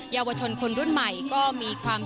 เยาวชนคนรุ่นใหม่ก็มีความ